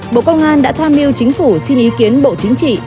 bộ công an đã tham mưu chính phủ xin ý kiến bộ chính trị